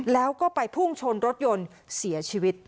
แล้วก็ไปพุ่งชนรถยนต์เสียชีวิต